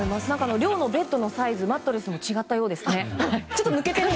寮のベッドのサイズマットレスと違ったそうですね。